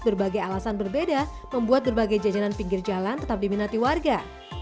berbagai alasan berbeda membuat berbagai jajanan pinggir jalan tetap diminati warga